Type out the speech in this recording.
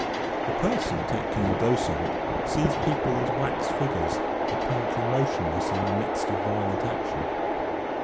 A person taking a dose of it sees people as wax figures apparently motionless in the midst of violent action.